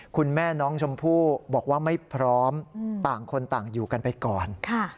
คุณแม่น้องชมพู่บอกว่าไม่พร้อมต่างคนต่างอยู่กันไปก่อน